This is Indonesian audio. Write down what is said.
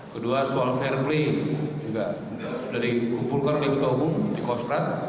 kedua soal fair play juga sudah dikumpulkan oleh ketua umum di kostrad